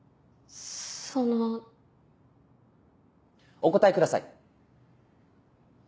お答えください。